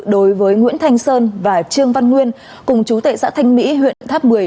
đối với nguyễn thanh sơn và trương văn nguyên cùng chú tệ xã thanh mỹ huyện tháp một mươi